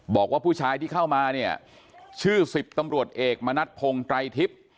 บอกว่าผู้ชายที่เข้ามาเนี่ยชื่อ๑๐ตำรวจเอกมณัฐพงศ์ไตรทิพย์